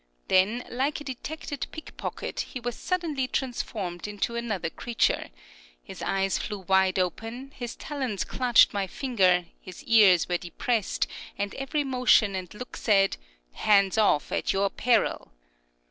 Then, like a detected pickpocket, he was suddenly transformed into another creature. His eyes flew wide open, his talons clutched my finger, his ears were depressed, and every motion and look said, "Hands off, at your peril."